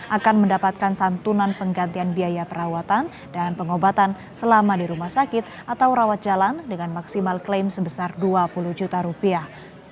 akan mendapatkan santunan penggantian biaya perawatan dan pengobatan selama di rumah sakit atau rawat jalan dengan maksimal klaim sebesar dua puluh juta rupiah